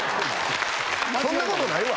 そんなことないわ。